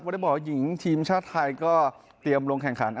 วัดยบรหลายถีมชาติไทยก็เตรียมรงค์แข่งขาญ